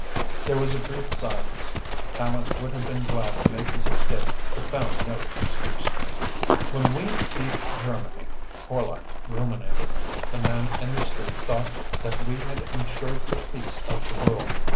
There was a brief silence. Tallente would have been glad to make his escape, but found no excuse. "When we beat Germany," Horlock ruminated, "the man in the street thought that we had ensured the peace of the world.